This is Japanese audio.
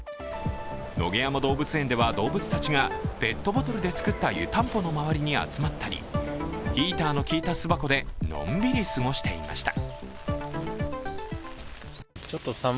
野毛山動物園では動物たちがペットボトルで作った湯たんぽの周りに集まったり、ヒーターのきいた巣箱でのんびり過ごしていました。